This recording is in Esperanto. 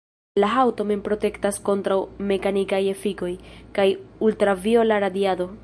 La haŭto mem protektas kontraŭ mekanikaj efikoj, kaj ultraviola radiado.